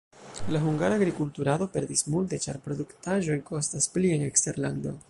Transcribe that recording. La hungara agrikulturado perdis multe, ĉar la produktaĵoj kostas pli en eksterlando.